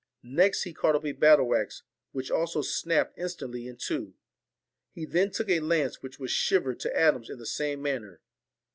Next he caught up a battle axe, which also snapped instantly in two. He then took a lance, which was shivered to atoms in the same manner.